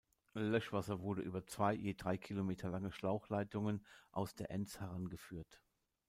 Löschwasser wurde über zwei je drei Kilometer lange Schlauchleitungen aus der Enz herangeführt.